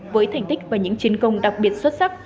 với thành tích và những chiến công đặc biệt xuất sắc